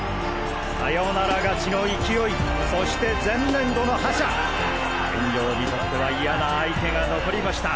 サヨナラ勝ちの勢いそして前年度の覇者健丈にとっては嫌な相手が残りました。